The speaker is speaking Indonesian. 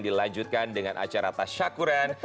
dilanjutkan dengan acara tas syakuran